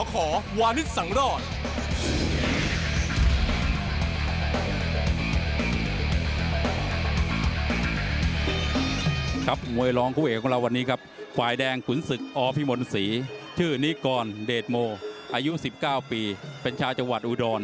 ครับมวยรองครัวเอกของเราวันนี้ครับฝ่ายแดงกุญศึกอพิมทธ์สีชื่อนิกรเดชโมอายุสิบเก้าปีเป็นชาวจังหวัดอุดร